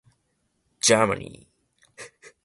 jdmpjdmx